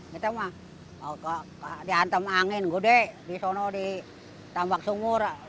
kita mah diantam angin gede disana ditambak sungur